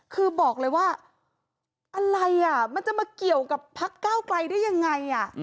คือบอกเลยว่าอะไรอ่ะมันจะมาเกี่ยวกับพักก้าวไกลได้ยังไง